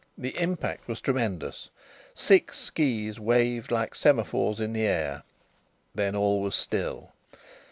The impact was tremendous. Six skis waved like semaphores in the air. Then all was still.